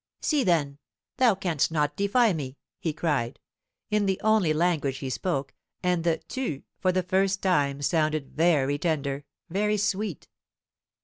"See, then, thou canst not defy me!" he cried, in the only language he spoke; and the "tu" for the first time sounded very tender, very sweet.